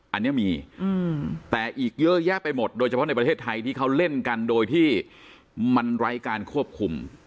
อันนี้มีแต่อีกเยอะแยะไปหมดโดยเฉพาะในประเทศไทยที่เขาเล่นกันโดยที่มันไร้การควบคุม